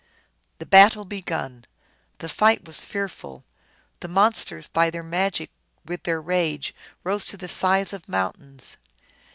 The battle begun, the fight was fearful. The mon sters, by their magic with their rage, rose to the size of mountains.